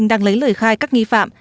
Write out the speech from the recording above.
đang lấy lời khai các nghi phạm